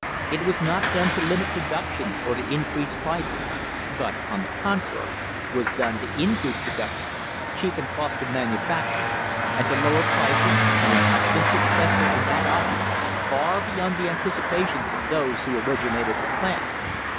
It was not done to limit production or to increase prices, but, on the contrary, was done to increase production, cheapen cost of manufacture, and to lower prices, and it has been successful in that object far beyond the anticipations of those who originated the plan.